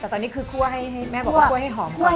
แต่ตอนนี้คือข้วยให้น้ำให้หอมข้วย